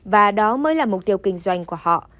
và đó mới là mục tiêu kinh doanh của họ